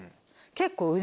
結構。